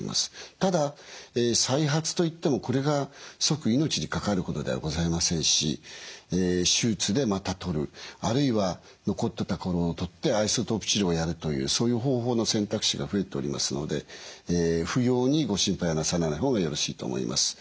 ただ再発といってもこれが即命に関わることではございませんし手術でまた取るあるいは残った所を取ってアイソトープ治療をやるというそういう方法の選択肢が増えておりますので不要にご心配はなさらない方がよろしいと思います。